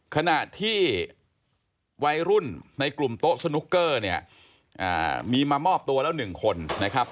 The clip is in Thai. ขณะที่วัยรุ่นในกลุ่มโต๊ะสนุกเกอร์เนี่ยมีมามอบตัวแล้ว๑คนนะครับ